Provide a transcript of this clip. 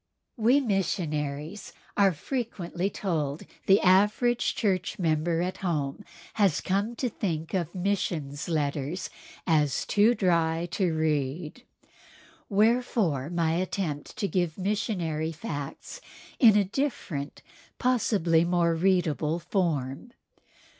We missionaries are frequently told that the average church member at home has come to think of missionaries' letters as "too dry to read." Wherefore, my attempt to give missionary facts in a different, possibly more readable, form.